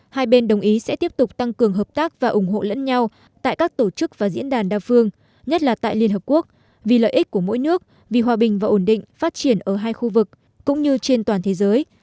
hai bên đồng ý sẽ tiếp tục tăng cường hợp tác và ủng hộ lẫn nhau tại các tổ chức và diễn đàn đa phương nhất là tại liên hợp quốc vì lợi ích của mỗi nước vì hòa bình và ổn định phát triển ở hai khu vực cũng như trên toàn thế giới